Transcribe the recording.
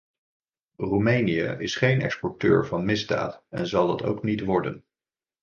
Roemenië is geen exporteur van misdaad en zal dat ook niet worden.